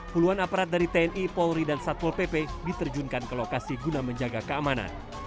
puluhan aparat dari tni polri dan satpol pp diterjunkan ke lokasi guna menjaga keamanan